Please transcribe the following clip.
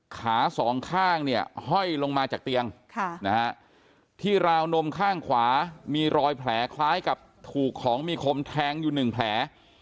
ขาสองข้างเนี่ยห้อยลงมาจากเตียงที่ราวนมข้างขวามีรอยแผลคล้ายกับถูกของมีคมแทงอยู่หนึ่งแผล